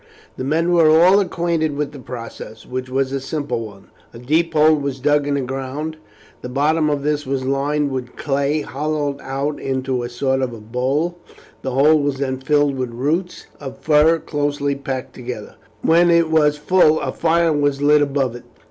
The men were all acquainted with the process, which was a simple one. A deep hole was dug in the ground. The bottom of this was lined with clay, hollowed out into a sort of bowl. The hole was then filled with the roots of fir closely packed together. When it was full a fire was lit above it.